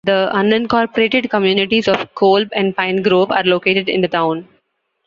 The unincorporated communities of Kolb and Pine Grove are located in the town.